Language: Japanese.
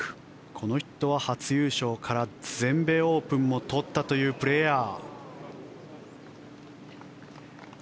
この人は初優勝から全米オープンも取ったというプレーヤー。